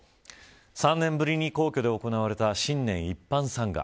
３年ぶりに皇居で行われた新年一般参賀。